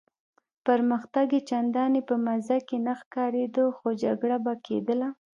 پرمختګ یې چنداني په مزه کې نه ښکارېده، خو جګړه به کېدله.